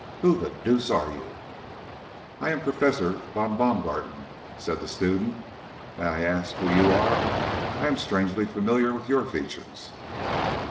Who the deuce are you?" "I am Professor von Baumgarten," said the student. "May I ask who you are? I am strangely familiar with your features."